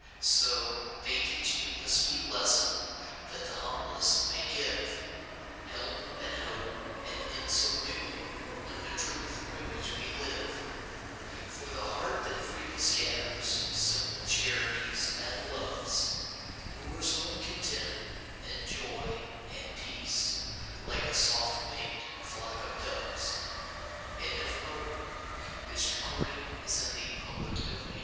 So, they teach me the sweet lesson, That the humblest may give Help and hope, and in so doing, Learn the truth by which we live; For the heart that freely scatters Simple charities and loves, Lures home content, and joy, and peace, Like a soft winged flock of doves. Louisa May Alcott Lullaby NOW the day is done, Now the